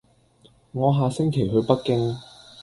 我下星期去北京